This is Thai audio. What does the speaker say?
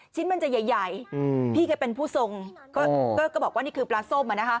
ชิ้นมันจะใหญ่พี่แกเป็นผู้ทรงก็บอกว่านี่คือปลาส้ม